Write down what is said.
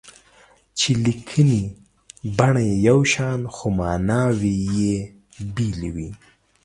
چې لیکني بڼه یې یو شان خو ماناوې یې بېلې وي.